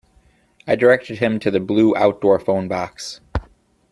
I directed him to the blue outdoor phone box.